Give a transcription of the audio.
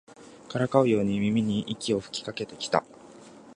からかうように耳に息を吹きかけてきた